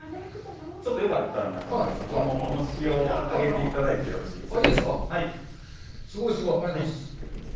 ちょっとよかったら、中丸さん、このおもしを上げていただいてよろしいですか。